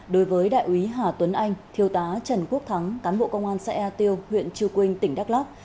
đối với đại úy hà tuấn anh thiêu tá trần quốc thắng cán bộ công an xã ea tiêu huyện chư quynh tỉnh đắk lắc